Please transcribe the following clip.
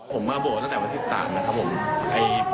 ผมมาโบสถตั้งแต่วันที่๓นะครับผม